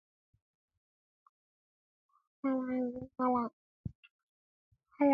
Suuna noy summa ki halaŋ halaŋ.